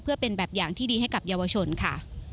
เพื่อเป็นแบบอย่างที่ดีให้กับเยาวชนค่ะ